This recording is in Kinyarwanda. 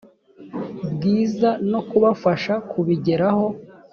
bwiza no kubafasha kubigeraho